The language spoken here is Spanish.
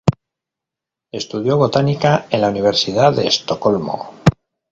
Estudió botánica en la Universidad de Estocolmo.